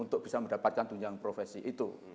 untuk bisa mendapatkan tunjangan profesi itu